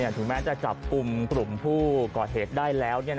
ถึงแม้จะจับกลุ่มกลุ่มผู้ก่อเหตุได้แล้ว